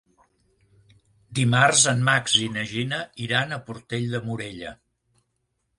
Dimarts en Max i na Gina iran a Portell de Morella.